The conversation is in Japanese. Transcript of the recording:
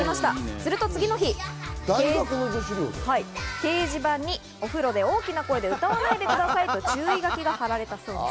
すると次の日、掲示板にお風呂で大きな声で歌わないでくださいと注意書きが張られたそうです。